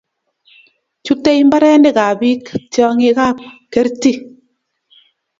Chutei mbarenikab biik tyong'ikab kerti.